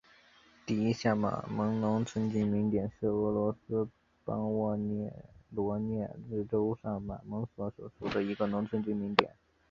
第一下马蒙农村居民点是俄罗斯联邦沃罗涅日州上马蒙区所属的一个农村居民点。